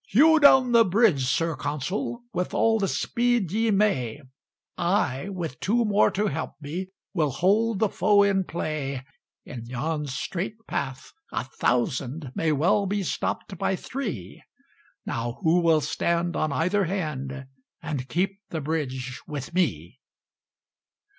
Hew down the bridge, Sir Consul, With all the speed ye may; I, with two more to help me, Will hold the foe in play. In yon strait path a thousand May well be stopped by three: Now who will stand on either hand, And keep the bridge with me?"